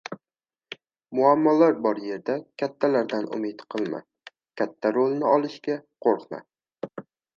Muammolar bor yerda kattalardan umid qilma, katta rolini olishga qoʻrqma.